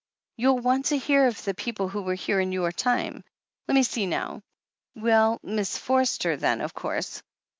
"You'll want to hear of the people who were here in your time. Let me see now — ^we'd Miss Forster then, of course.